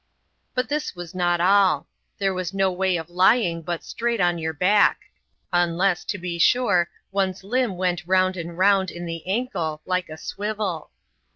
But this was not all ; there was no way of lying but straight on your back ; unless, to be sure, one's limb went round and round in the ankle, like a swivel.